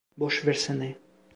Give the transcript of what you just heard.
Boş versene.